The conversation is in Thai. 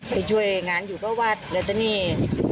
ไปช่วยงานอยู่กับวัดแล้วจะนี่